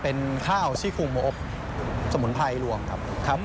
เป็นข้าวชิคุโมะสมุนไพรรวมครับ